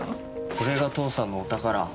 これが父さんのお宝。